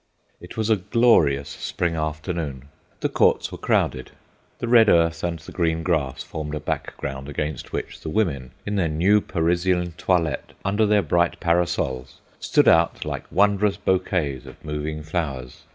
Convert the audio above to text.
It was a glorious spring afternoon. The courts were crowded. The red earth and the green grass formed a background against which the women, in their new Parisian toilets, under their bright parasols, stood out like wondrous bouquets of moving flowers.